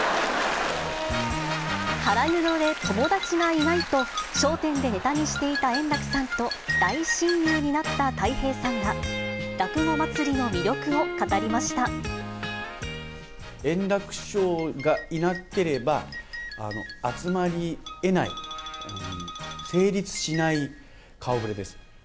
腹黒で友達がいないと、笑点でネタにしていた円楽さんと大親友になったたい平さんが、円楽師匠がいなければ、集まりえない、成立しない顔ぶれです。